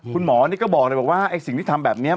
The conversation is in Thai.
คุณหมอนี่ก็บอกเลยบอกว่าไอ้สิ่งที่ทำแบบนี้